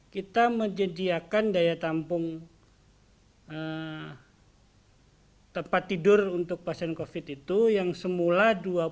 kita menjediakan daya tampung tempat tidur untuk pasien covid sembilan belas itu yang semula dua puluh enam